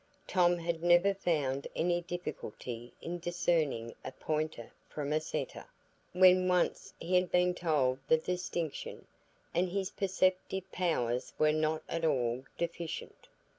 Tom had never found any difficulty in discerning a pointer from a setter, when once he had been told the distinction, and his perceptive powers were not at all deficient.